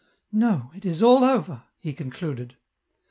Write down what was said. " No ; it is all over," he concluded.